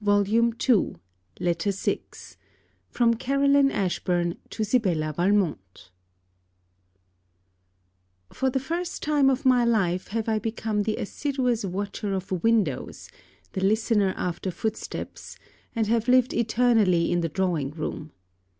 MURDEN LETTER VI FROM CAROLINE ASHBURN TO SIBELLA VALMONT For the first time of my life, have I become the assiduous watcher of windows, the listener after footsteps; and have lived eternally in the drawing room.